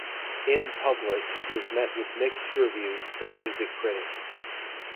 "In Public" was met with mixed reviews from music critics.